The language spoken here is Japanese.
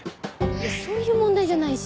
いやそういう問題じゃないし。